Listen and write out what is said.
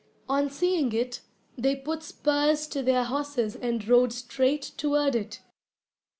On seeing it, they put spurs to their horses and rode straight toward it.